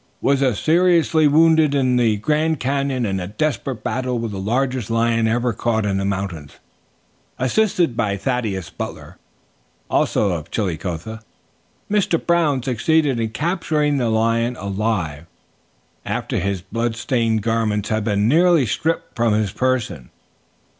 'Was seriously wounded in the Grand Canyon in a desperate battle with the largest lion ever caught in the mountains. Assisted by Thaddeus Butler, also of Chillicothe, Mr. Brown succeeded in capturing the lion alive, after his bloodstained garments had been nearly stripped from his person.'"